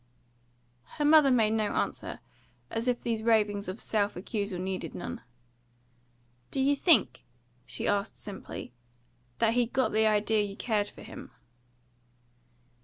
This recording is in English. Her mother made her no answer, as if these ravings of self accusal needed none. "Do you think," she asked simply, "that he got the idea you cared for him?"